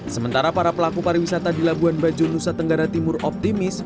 sementara para pelaku pariwisata di labuan bajo nusa tenggara timur optimis